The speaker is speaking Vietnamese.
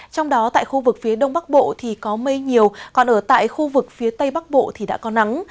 trong đó tại khu vực phía đông bắc bộ thì có mây nhiều còn ở tại khu vực phía tây bắc bộ thì đã có nắng